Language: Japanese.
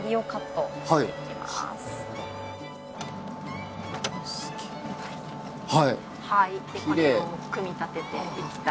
これを組み立てていきたいと思います。